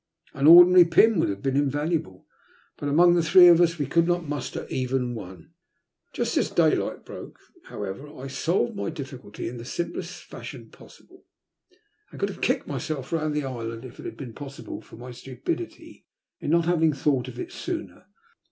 An ordinary pin would have been invaluable; but among the three of us we could not muster even one. Just as daylight broke, however, I solved my diffi culty in the simplest fashion possible, and could have kicked myself round the island, if it had been possible, for my stupidity in not having thought of it sooner.